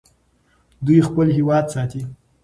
دوی خپل هېواد ساتي.